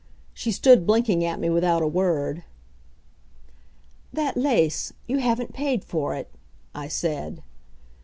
She stood blinking at me without a word. "That lace. You haven't paid for it," I said.